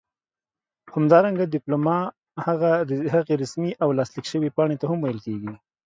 همدارنګه ډيپلوما هغې رسمي او لاسليک شوي پاڼې ته هم ويل کيږي